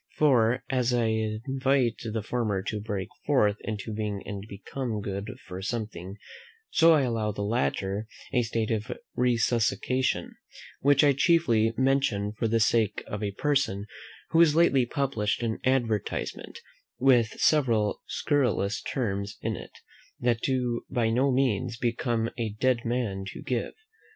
For as I invite the former to break forth into being and become good for something, so I allow the latter a state of resuscitation, which I chiefly mention for the sake of a person who has lately published an advertisement, with several scurrilous terms in it, that do by no means become a dead man to give.